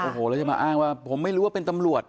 โอ้โหแล้วจะมาอ้างว่าผมไม่รู้ว่าเป็นตำรวจ